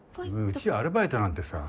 うちアルバイトなんてさ。